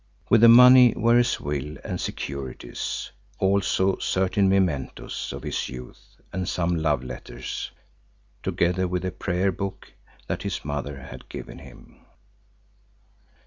With the money were his will and securities, also certain mementos of his youth and some love letters together with a prayer book that his mother had given him.